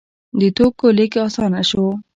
د توکو لیږد اسانه شو.